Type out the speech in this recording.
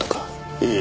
ええ。